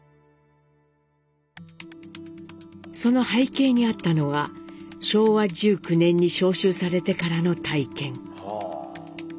その背景にあったのは昭和１９年に召集されてからの体験。